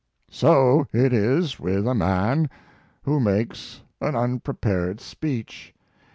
So it is with a man who makes an unprepared speech.